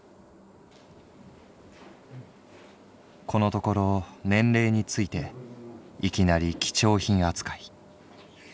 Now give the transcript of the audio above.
「このところ年齢についていきなり貴重品扱い」。